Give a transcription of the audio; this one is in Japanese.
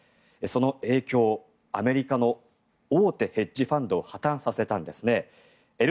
その影響アメリカの大手ヘッジファンドを破たんさせたんですね。